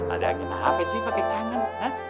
ada haji maafin sih pake kangen